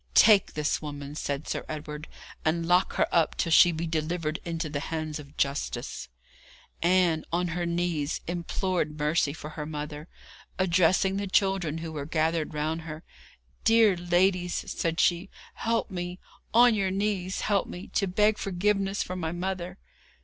'Take this woman,' said Sir Edward, 'and lock her up till she be delivered into the hands of justice.' Ann, on her knees, implored mercy for her mother. Addressing the children, who were gathered round her, 'Dear ladies,' said she, 'help me on your knees help me to beg forgiveness for my mother!'